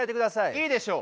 いいでしょう。